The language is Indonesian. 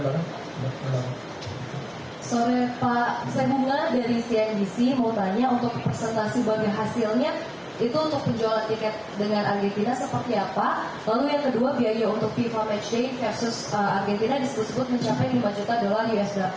dengan argentina seperti apa lalu yang kedua biaya untuk fifa matchday versus argentina disebut sebut mencapai lima juta dolar usd